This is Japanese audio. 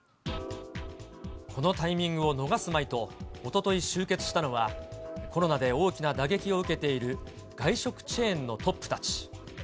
このタイミングを逃すまいと、おととい集結したのは、コロナで大きな打撃を受けている外食チェーンのトップたち。